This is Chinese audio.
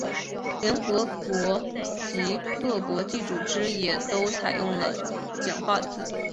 联合国及各国际组织也都采用了简化字。